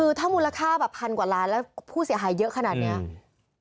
คือถ้ามูลค่าแบบพันกว่าล้านแล้วผู้เสียหายเยอะขนาดนี้